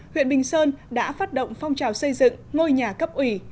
huyện bình sơn đã phát động phong trào xây dựng ngôi nhà cấp ủy